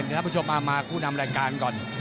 เดี๋ยวท่านผู้ชมมามากูนำรายการก่อน